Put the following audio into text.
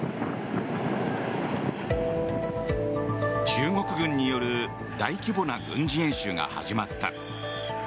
中国軍による大規模な軍事演習が始まった。